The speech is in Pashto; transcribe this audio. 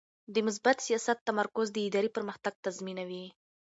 د مثبت سیاست تمرکز د ادارې پرمختګ تضمینوي.